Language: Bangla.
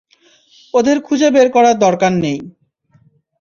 ওদের খুঁজে বের করার দরকার নেই।